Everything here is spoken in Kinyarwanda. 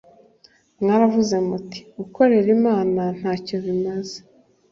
Mwaravuze muti gukorera Imana nta cyo bimaze